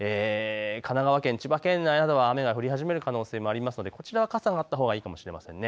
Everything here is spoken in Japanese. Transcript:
神奈川県、千葉県などは雨が降り始める可能性もありますので、傘があったほうがいいかもしれません。